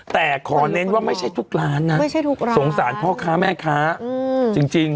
แต่ขอเน้นว่าไม่ใช่ทุกร้านนะสงสารพ่อค้าแม่ค้าจริง